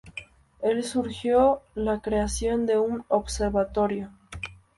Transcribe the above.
Él sugirió la creación de un observatorio.